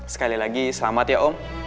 sekali lagi selamat ya om